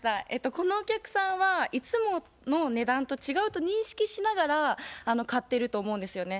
このお客さんはいつもの値段と違うと認識しながら買ってると思うんですよね。